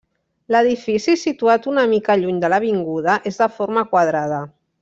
L'edifici, situat una mica lluny de l'avinguda, és de forma quadrada.